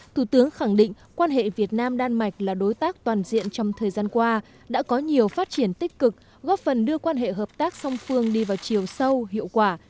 thủ tướng khẳng định quan hệ việt nam đan mạch là đối tác toàn diện trong thời gian qua đã có nhiều phát triển tích cực góp phần đưa quan hệ hợp tác song phương đi vào chiều sâu hiệu quả